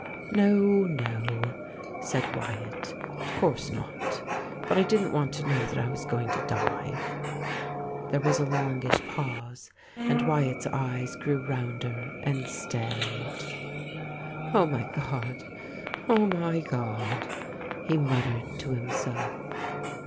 ' No, no,' said Wyatt. ' Of course not. But I didn't want to know that I was going to die.' There was a longish pause, and Wyatt's eyes grew rounder and stared. ' O, 29 THIS IS ALL my God ! O, my God !' he muttered to himself.